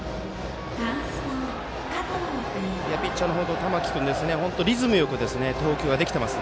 ピッチャーの玉木君リズムよく投球ができています。